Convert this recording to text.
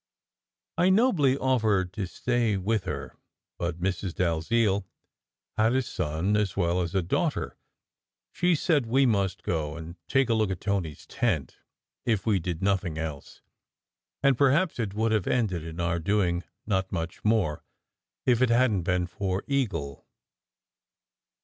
I nobly offered to stay with her, but Mrs. Dalziel had a son as well as a daughter. She said we must go and take a look at Tony s tent, if we did nothing else; and perhaps it would have ended in our doing not much more if it hadn t been for Eagle.